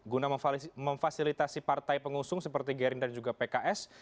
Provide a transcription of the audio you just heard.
guna memfasilitasi partai pengusung seperti gerindra dan juga pks